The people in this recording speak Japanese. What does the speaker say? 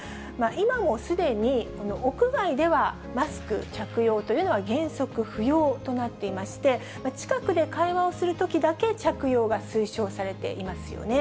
今もすでに屋外ではマスク着用というのは原則不要となっていまして、近くで会話をするときだけ着用が推奨されていますよね。